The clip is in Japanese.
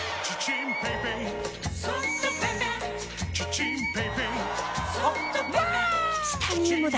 チタニウムだ！